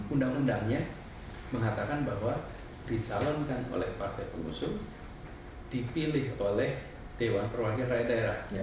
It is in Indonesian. undang undangnya mengatakan bahwa dicalonkan oleh partai pengusung dipilih oleh dewan perwakilan rakyat daerah